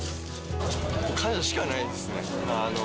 感謝しかないですね。